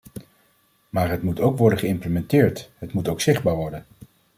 Maar het moet ook worden geïmplementeerd, het moet ook zichtbaar worden.